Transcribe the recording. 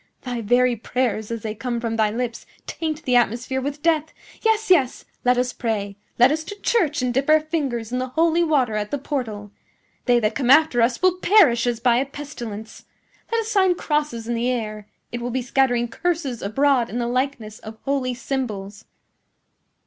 "Thy very prayers, as they come from thy lips, taint the atmosphere with death. Yes, yes; let us pray! Let us to church and dip our fingers in the holy water at the portal! They that come after us will perish as by a pestilence! Let us sign crosses in the air! It will be scattering curses abroad in the likeness of holy symbols!"